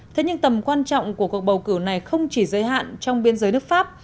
thế nhưng tầm quan trọng của cuộc bầu cử này không chỉ giới hạn trong biên giới nước pháp